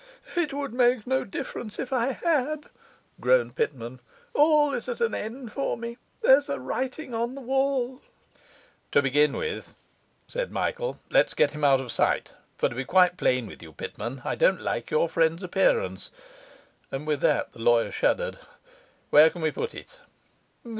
'It would make no difference if I had,' groaned Pitman. 'All is at an end for me. There's the writing on the wall.' 'To begin with,' said Michael, 'let's get him out of sight; for to be quite plain with you, Pitman, I don't like your friend's appearance.' And with that the lawyer shuddered. 'Where can we put it?